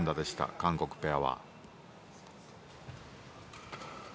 韓国ペア。